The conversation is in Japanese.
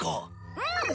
うん。